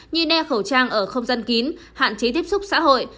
như đe khẩu trang ở không dân kín hạn chế tiếp xúc xã hội